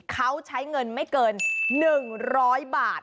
เขาใช้เงินไม่เกิน๑๐๐บาท